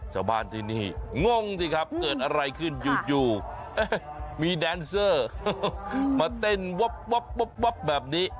ชาวบ้านที่นี่งงสิครับเกิดอะไรขึ้นอยู่มีแดนเซอร์มาเต้นวับแบบนี้